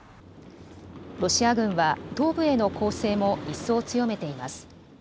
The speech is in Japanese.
ロシア軍は東部への攻勢も一層強めています。